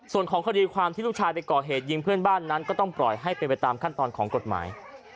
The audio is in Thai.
ส่วนของคดีความที่ลูกชายไปก่อเหตุยิงเพื่อนบ้านนั้นก็ต้องปล่อยให้เป็นไปตามขั้นตอนของกฎหมาย